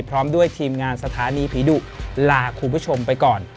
พร้อมด้วยทีมงานสถานีผีดุลาคุณผู้ชมไปก่อน